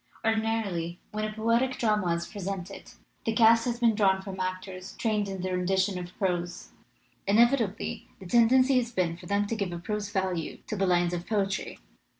Ordinarily when a poetic drama is presented the cast has been drawn from actors trained in the rendition of prose. Inevitably the tendency has been for them to give a prose value to the lines of poetry.